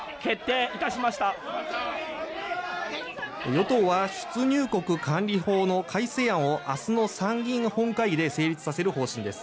与党は出入国管理法の改正案を明日の参議院本会議で成立させる方針です。